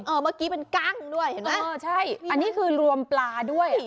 เมื่อกี้เป็นกั้งด้วยเห็นไหมเออใช่อันนี้คือรวมปลาด้วย